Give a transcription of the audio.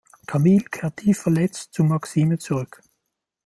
Camille kehrt tief verletzt zu Maxime zurück.